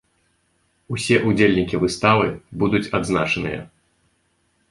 Усе ўдзельнікі выставы будуць адзначаныя.